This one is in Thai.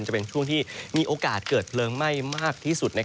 จะเป็นช่วงที่มีโอกาสเกิดเพลิงไหม้มากที่สุด